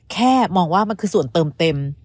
แค่มองว่ามันคือส่วนเติมเต็ม